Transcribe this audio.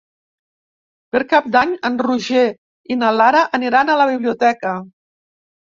Per Cap d'Any en Roger i na Lara aniran a la biblioteca.